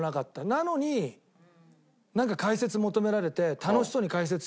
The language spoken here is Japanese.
なのになんか解説求められて。